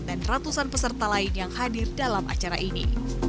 dan ratusan peserta lain yang hadir dalam acara ini